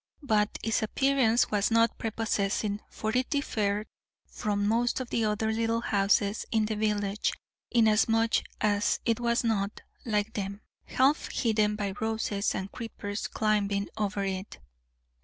But its appearance was not prepossessing, for it differed from most of the other little houses in the village inasmuch as it was not, like them, half hidden by roses and creepers climbing over it.